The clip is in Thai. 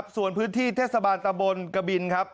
ส่วนพื้นที่เทศบาลตะบนกบินครับ